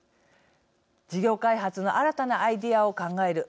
事業開発の新たなアイデアを考える。